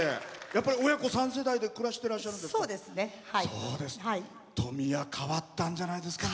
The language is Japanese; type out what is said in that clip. やっぱり親子３世代で過ごしてらっしゃるんですか？